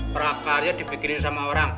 prakarya dibikinin sama orang